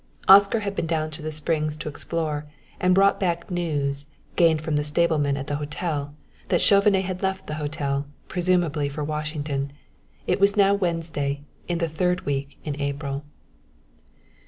Oscar had been down to the Springs to explore, and brought back news, gained from the stablemen at the hotel, that Chauvenet had left the hotel, presumably for Washington. It was now Wednesday in the third week in April.